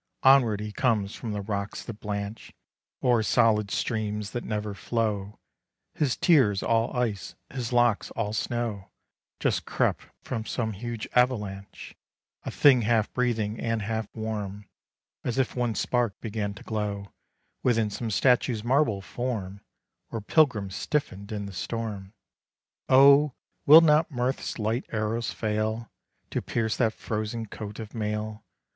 Onward he comes from the rocks that blanch O'er solid streams that never flow: His tears all ice, his locks all snow, Just crept from some huge avalanche A thing half breathing and half warm, As if one spark began to glow Within some statue's marble form, Or pilgrim stiffened in the storm. Oh! will not Mirth's light arrows fail To pierce that frozen coat of mail?